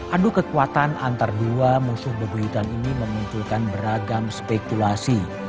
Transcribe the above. adu kekuatan antara dua musuh bebuyutan ini memunculkan beragam spekulasi